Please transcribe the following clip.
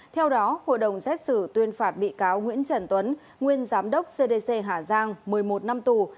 theo đó hội đồng xét xử tuyên phạt bị cáo nguyễn trần tuấn nguyên giám đốc cdc hà giang một mươi một năm tù